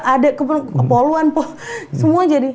ada kepoluan poh semua jadi